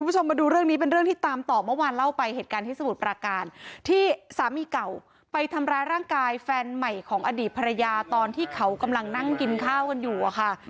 คุณผู้ชมมาดูเรื่องนี้เป็นเรื่องที่ตามต่อเมื่อวานเล่าไปเหตุการณ์ที่สมุทรปราการที่สามีเก่าไปทำร้ายร่างกายแฟนใหม่ของอดีตภรรยาตอนที่เขากำลังนั่งกินข้าวกันอยู่อะค่ะ